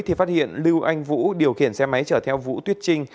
thì phát hiện lưu anh vũ điều khiển xe máy chở theo vũ tuyết trinh